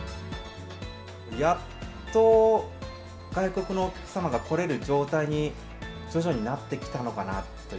やっと外国のお客様が来れる状態に、徐々になってきたのかなと。